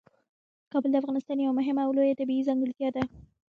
کابل د افغانستان یوه مهمه او لویه طبیعي ځانګړتیا ده.